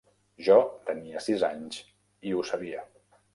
Jo tenia sis anys i ho sabia.